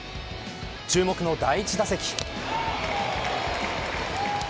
注目の第１打席。